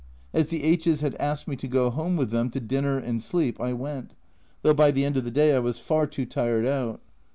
As the H s had asked me to go home with them to dinner and sleep, I went, though by the end of the day I was far too tired out.